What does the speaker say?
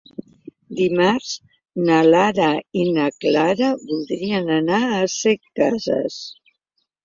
Dimarts na Lara i na Clara voldrien anar a Setcases.